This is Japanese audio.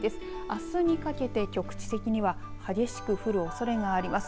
あすにかけて局地的には激しく降るおそれがあります。